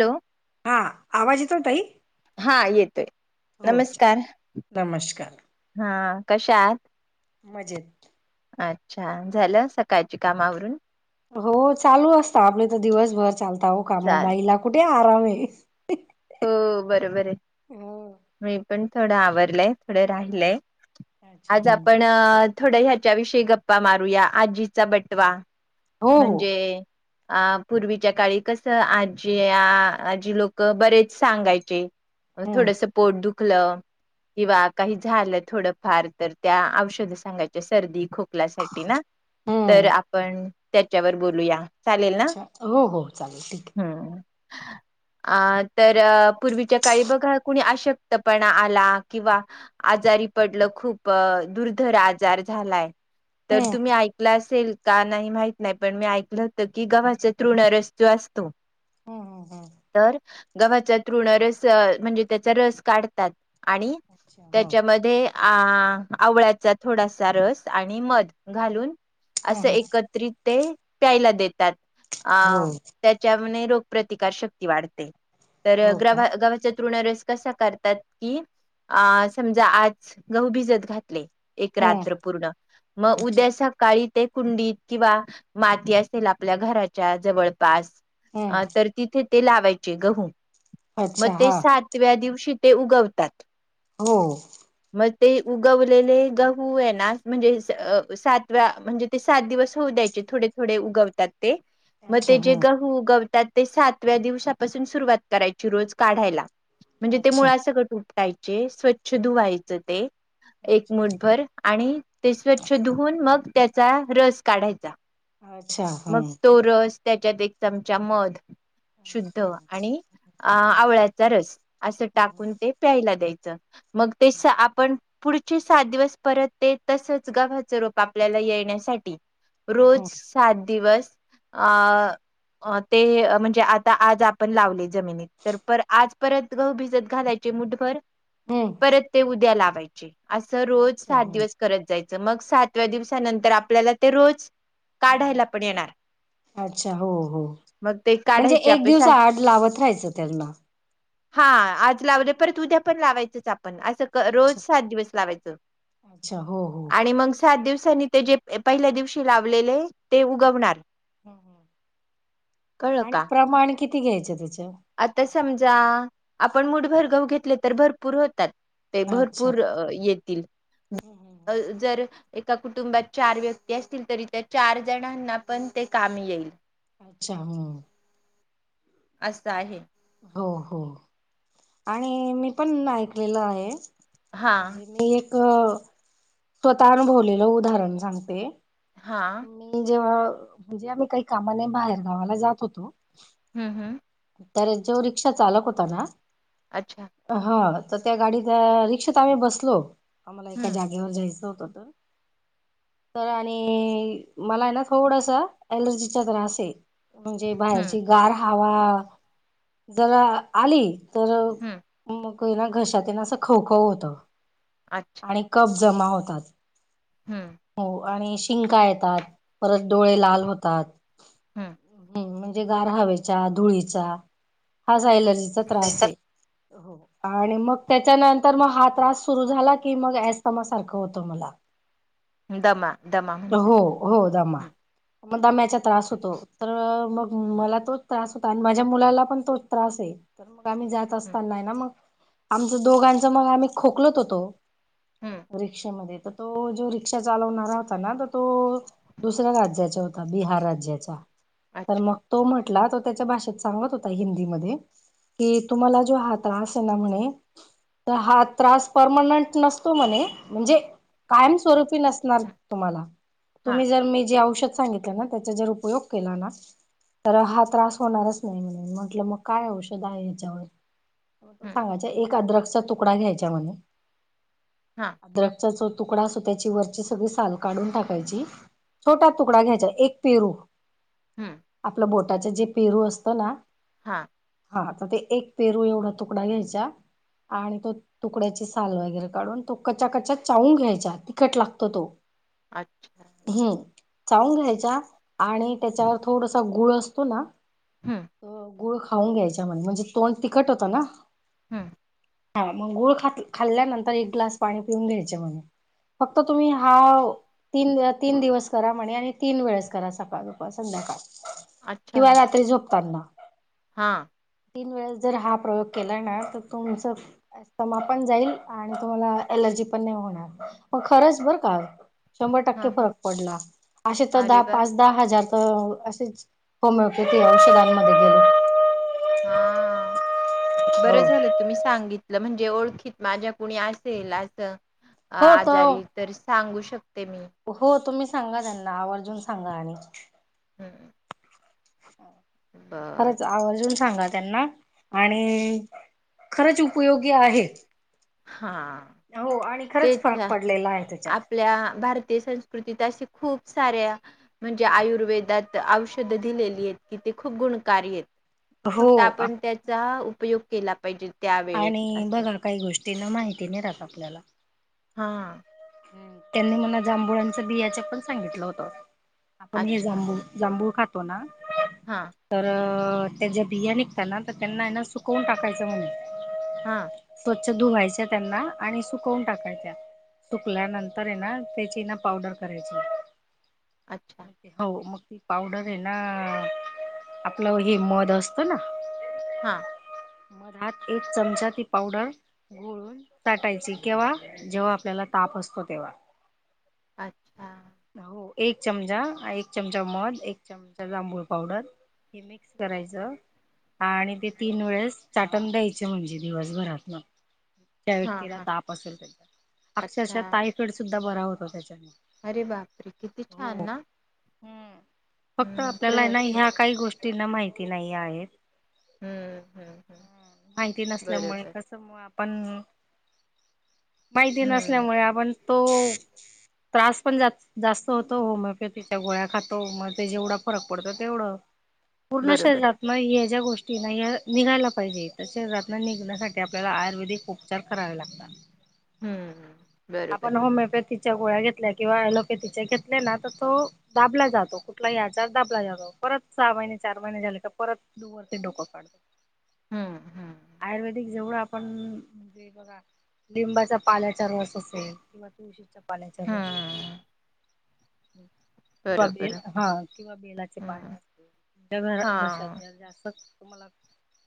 Low, हा आवाज येतो ताई? हा येतोय. हो नमस्कार नमस्कार हा. कशा आहात? मजेत. अच्छा झालं सकाळच्या काम आवरून? हो अहो काम चाल बाईला कुठे आ आरामे. हो बरोबर आहे. मी पण थोडं आवरलंय थोडं राहिलय अच्छा आज हम्म. आपण थोडं ह्याच्याविषयी गप्पा मारूया आजीचा बटवा. हो हो म्हणजे अ पूर्वीच्या काळी कस आजी आजी लोक बरेच सांगायचे. म हम्म थोडस पोट दु खोकलं किंवा काही झालं थोडं फार तर त्या औषध सांगायच्या सर्दी खोकल्यासाठी ना तर हम्म आपण त्याच्यावर बोलूया. चालेल ना अच्छा हो हो चालेल ठीक आहे. हम्म अ. तर पूर्वीच्या काळी बघा कुणी अशक्तपणा आला किंवा आजारी पडलं खूप दुर्धर आजार झालाय. आहे तर हम्म. तुम्ही ऐकलं असेल. का नाही माहित नाही पण मी ऐकलं होतं की ग्हाचा तृण रस्तू असतो. हम्म हम्म हम्म तर गव्हाचा तृण रस म्हणजे त्याचा रस काढतात आणि अच्छा हो त्याच्यामध्ये अ आवळ्याचा थोडासा रस आणि मध घालून. हम्म असं हम्म एकत्रित ते. प्यायला देतात. अ हो त्याच्या रोग प्र्रतिकार शक्ती वाढते. तर हो का गावा गावाच्या. तणरस कसा करतात की समजा आज गहू भिजत घात.. एक हम्म. रात्र पूर्ण मग अच्छा उद्या सकाळी ते कुंडीत किंवा माती असेल आपल्या घराच्या जवळपास हम्म ह तर तिथे. ते लावायचे गहू. मग अच्छा ते हा सातव्या दिवस श तेे उगवतात. हो. मग ते उगवलेले गहू आहे ना म्हणजे सातव्या म्हणजे ते सात दिवस होऊ द्यायचे थोडे थोडे उगवतात. मे अच्छा हम्म जेगू ग. ते सातव्या दिवासून सुरुवात. करायची रोज काढायला. म्हणजे ते अच्छा. मुळा सकट उप. यचे स्वच्छ धुवायचं ते.. एक अच्छा मुठभर आणि ते स्वच्छ धुवून मग त्याचा रस काढायचा. अच्छा मग हम्. तो रस त्याच्यात एक चमचा मध अच्छा शुद्ध आणि अ आवळ्याचा रस असं हम्म टाकून ते प्यायला द्यायचं. ज मग ते आपण पुढचे सात दिवस परत देत तसच गव्हाचं रोप आपल्याला येण्यासाठी हम्म रोज हम्म सात दिवस अ ते म्हणजे आता आज आपण लावले. जमिनीत तर पर आज परत गहू भिजत घालायचे मुठभर हम्म परत ते उद्या लाव काचे [unintelligible] असं रोज अच्छा सात हम्म. दिवस करत जायच. मग सातव्या दिवसानंतर आपल्याला ते रोज काढायला पण येणार अच्छा हो हो मग ते म्हणजे काढायचे एक आपले दिवस सास आड लावत राहायचं. उतलना [unintelligible] हा आज लावले परत उद्या पण लावायचेच आप रोज अच्छा सात दिवस लावायचा अच्छा हो हो आणि म सात दिव नी ते जे पहिल्या दिवशी लावलेले. ते उगवणार कळलं आणि का? प्रमाण किती क घ्यायचे त्याची.. आता समजा आपण मूठ भर गहू घेतले तर भरपूर होतात. ते अच्छा भरपूर येतील हम् हम हम जर एका कुटुंबात चार व्यक्ती असतील तरी त्या चार जणांना पण ते कामी येईल. अच्छा हम्म असं आहे. हो हो आणि मी पण ऐकलेलं आहे. हा म्हणजे मी अ स्वतः अनुभवलेलं उदाहरण सांगते. हा मी जेव्हा म्हणजे आम्ही काही कामाने बाहेर गावाला जात होतो. हम्म हम्म तर जो रिक्षा चालक होता ना. अच्छा हा तर त्या गाडीत रिक्षेत आम्ही बसलो. मला एकका हम्म जागेवर जाई च तर आणि मला आहे ना थोडस एलर्जीचा त्रास आहे. म्हणजे हम्म बाहेरची गार हा हवा जरा आली तर हम्म मग ना घशात ना असं खव खव होतं. अच्छा आणि कब जमा होतात. हम्म हो आणि शिंका येतात परत डोळे लाल होतात. हम्म गार हवेच्या धुळी चा हाच एलर्जीचा त्रास आहे. हो आणि मग त्याच्यानंतर मग हा त्रास सुरु झाला की मग ऐसमा सारखं होतं मला. दमा दमा म्हणतात. हो हो दमा हम् मग दाम्याचा त्रास होतो तर मग मला तोच त्रास माझ्या मुलाला पण तोच त्रास आहे. आम्ही जात हम्म असताना ना मग आमचं दोघांच मग आम्ही खोकलत होतो. हं, रिक्षामध्ये तर तो जो रिक्षा चालवणारा होता ना तर तो दुसऱ्या राज्याचा होता बिहार राज्याचा तर अच्छा. मग तो म्हन टला त्याच्या भाषेत सांगत होता हिंदी मध्ये, तुमचा जो हा त्रास आहे ना म्हणे म्हणजे कायम स्वरुपी नसनार हं, तुम्हाला हां, तुम्ही जर मी जी औषध सांगितल त्याचा जर उपयोग केला ना तर हा होणारच नाही म्हणे म्हंटलं मग काय औषध आहे याच्यावर तो हं, सांगाच्या एक अद्रक तुकडा घ्यायचा म्हणे. हां, अद्रकचा चो तुकडा सु त्याची वरची सगळी साल काढून टाकायची. छोटा तुकडा घ्यायचा एक पेरू हं, आपलं बोल ज पेरू असतो ना हा हा तर ते एक पेरू एवढा तुकडा घ्यायचा आणि तो तुकड्याची साल वगैरे काढून तो क् कचा चावून घ्यायचा. तिखट लागतो तो अच्छा चाऊून घ्यायच्या आणि त्याच्यावर थोडसा गुळ असतो ना हं, हो गुळ खाऊन घ्यायच्या म्ह म्हणजे तोंड तीखट होतं ना. हम्म हा मग गूळ खाल्ल्यानंतर एक ग्लास पाणी पिऊन गुळ खाल्यानंतर एक ग्लास पाणी घ्यायचे म्हणे फक्त तुम्ही हा तीन तीन दिवस करा म्हणे आणि तीन वेळेस करा सकाळ दूपार संध्याकाळ अच्छा किंवा रात्री झोपताना हा तीन वेळेस जर हा प्रयोग केला ना तर तुमच दमा पण जाईल. आणि तुम्हाला एलर्जी पण नाही होणार. मग खरंच बर का. शंभर टक्के हां, हां. फरक पडला. असे तर अरे दहा वाह! पाच दहा हजार तर असे होम किती औषधांमध्ये गेल हा बरं हो झालं तुम्ही सांगितलं म्हण जे ओळखीत माझ्या कुणी असेल असं. अ, हो त आजारी तर सांगू शकते मी. हो तुम्ही सांगा त्यांना आवर्जून सांगा आणि हम्म खरंच आवर्जून सांगा त्यांना आणि खरंच उपयोगी आहे. हा हो आणि खरंच तेच फरक पडलेला आहे त्याच्या आपल्या भारती ते संस्कृतीत असे खूप साऱ्या म्हणजे आयुर्वेदात औषधं दिलेली आहेत. की ते खूप गुणकार आहेत. फक्त हो आपण त्याचा ऊपयोग उपयोग केला पाहिजे. त्या वेळेत आणि असे बघा काही गोष्टी तिन माहिती रात आपल्याला हा त्यांनी मला जांभुळांच बियाच पण सांगितलं होत. आपण हे अच्छा जांभूळ जांभूळ खात तो ना. हां तर अ. अ त्याच्या बिया निघता ना तर त्यांना ना सुकवून टाकायचं म्हने. हा. स्वच्छ धुवायच्या त्यांना आणि सुकवून टाकायच्या. सुकल्यानंतर ये ना त्याची ना पावडर करायची. अच्छा हो, मग पावडर आहे ना आपलं हेि मध असत ना. हा. मधात एक चमचा ती पावडर गोळून टाकायची केव्हा जेव्हा आपल्याला ताप असतो तेव्हा. अच्छा. हो एक चमचा एक चमचा मध, एक चमचा जांभूळ पावडर हे मिक्स करायचं आणि ते तीन वेळेस चाटण द्यायचे म्हणजे दिवसभरातन. त्या हां व्यक्तीला हां ताप असेल अक्षरशः अच्छा. टायफड सुद्धा बरा होत. [unintelligible] अरे बापरे! किती छान ना. हम्म फक्त हम्म प्र आपल्याला ना ह्या काही गोष्टींना माहिती ती नाही आहे. हम्म हम्म हम्म माहिती नसल्यामुळे बरोबर. कस म आप पण. माहिती हम्म नसल्यामुळे आपण तो त्रास पण जा जास्त होत होमिओपॅथीच्या गोळ्या खातो म ते जेवढा फरक पडत तेवढ. पूर्ण बरोबर शरीरात म ह्या ज्या गोष्टी ति [unintelligible] निघायला पाहिजे तशे निघण्यासाठी आपल्याला आयुर्वेदिक उपचार करावे लागतात. हम्म. बरोबर आपण होमिओपॅथी च्या गोळ्या घेतल्या किंवा ऍलोपॅथीच्या घेतल्या ना तर तो दाबला जातो कुठला हि आजार दाबला जातो परत सहा महिने चार महिने झाले का परत वरती डोक काढतो. हम्म हम्म. आयुर्वेदिक जेवढं आपण म्हणजे बघा लिंबाच्या पाल्याचा रस असेल किंवा तुळशीचा पाण्याचा रस असो. हम्म [inaudible] किंवा बरोबर बेल हा किंवा बेलाचे हम्म पानं जर हां. घशाचा जास्त मला,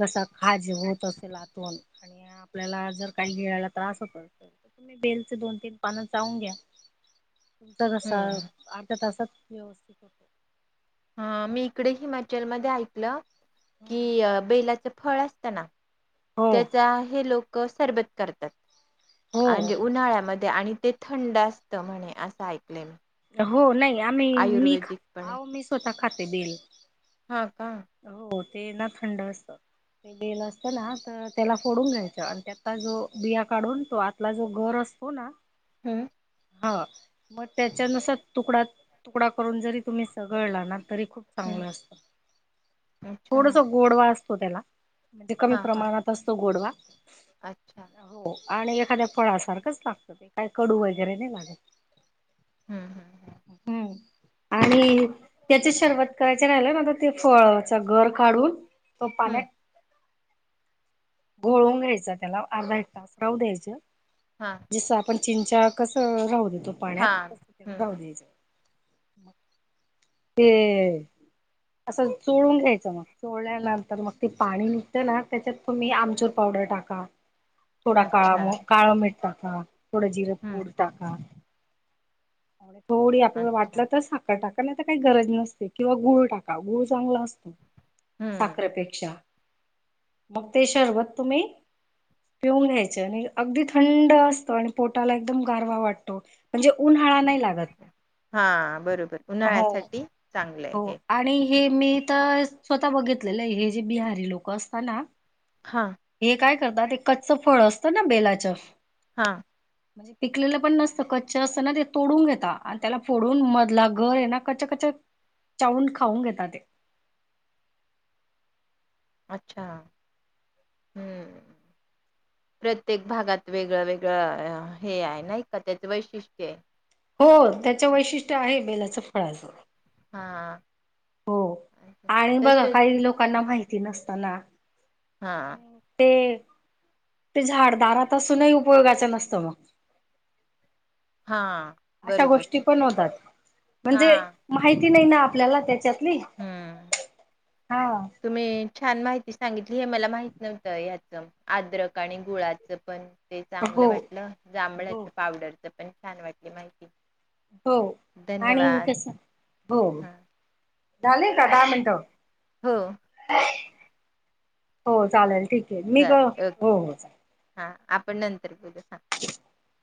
घसा खाज होऊ नय तसे [unintelligible] आम्ही आणि आपल्याला जर काही गिळायला काही त्रास होत असेल, बेलचे दोन तीन पानं चावून घ्या. [unintelligible] कसा हम्म. अर्ध्या तासात. यवसिकत होतं ह मी इकडे हिमाचलमध्येध्ये ऐकलं. कि बेलाच... फळ अस असतना... हो त्याचा हे लोक... क सरबत करतात. हो म्हणजे उन्हाळ्यामध्ये आणि... ते थंड असत म्हणे अस... हो नाही आम्ही मी ख आयुर्वेदिक आह मी स्वतः खात... सबल. हां का? ते ना थंड असत, ते बेलं असतं ना तर त्याला फोडून घ्यायचं आणि त्यातचा जो बिया काढून तो आतला जो गर असतो ना हम्म, ह म त्याच त्याच्यानुसार तुकडा तुकडा करून जरी तुम्ही चगळंला ना तरी खूप चांगलं हम्म असतं अच्छा. थोडस गोडवा असत तो त्याला म्हणजे कमी हा हा प्रमाणात असतो गोडवा अच्छा. हो आणि एखाद्या फळासारखंच लागतं ते, काही कडू वगैरे नाही लागत. हम्म हम्म हम्म. आणि त्याच शरबत करायच राहिलं ना तर ते फळाच गर काढून? तो पाण्यात हम्म घोळून घ्यायचा त्याला अर्धा एक तास राहू द्यायच. हा जसं आपण चिंचा कस राहू दे तो पाण्यात हा तस हम्म राहू हम्म. द्यायचं. [inaudible] ते अच्छा असं चोळून घ्यायचं मग चोळल्यानंतर मग ते पाणी निघते ना त्याच्यात तुम्ही आमचूर पावडर टाका थोडा अच्छा. काळा काळ मीठ टाका, थोडं जिरं हम्म. पूड टाका, [inaudible] थोडी आपल्याला वाटलं अच्छा तर साखर टाक का नाही तर काय गरज नसते किंवा गुळ टाका गुळ चांगला असतो. हम्म साखरेपेक्षा. मग ते शरबत तुम्ही पिऊन घ्यायच, आणि अगदी थंड असतं आणि पोटाला एकदम गारवा वाटतो म्हणजे उन्हाळा नाही लागत हा बरोबर हो उन्हाळ्यासाठी चा हो आणि हे मी तर स्वतः बघितलेलं आहे हे जे बिहारी लोक असतात ना हा हे काय तात कच्च फळ असतं ना बेलाचं हां. म्हणजे पिकलेलं पण नसतं कच्च असतं ना ते तोडून घेता, आणि त्याला फोडून मधला घर आहे ना कच्च्य कच्च चाऊन खाऊन घेता ते. अच्छा! हम्म! प्रत्येक भागात वेगळं वेगळं अ हे आहे नाही का त्याच वैशिष्ट्ये. हो त्याच वैशिष्ट्य आहे बोलाच फळाचं. हाआआ... हो आणि बघा काही लोकांना माहिती नसत. त्यांना हा आहो ते ते झाडदारात असूनही उपयोगाचं नसतं मग. हां आ. अशा गोष्टी पण होतात हा म्हणजे माहिती नाही ना आपल्याला त्याच्यातली. हम्म. हा. तुम्ही छान माहिती सांगितली हे मला माहित नव्हतं याचं आद्रक आणि गुळाचं पण ते चांगलं हो वाटलं हो जांभळाच्या पावडरच पण छान वाटली माहिती. हो आणि धन्यवाद कस हो, हा झाली का दहा मिनटं हो. हो चालेल ठीक हे. मी का. चालेल ओके हो हो चालेल. हा आपण नंतर बोलया. खट खट [inaudible]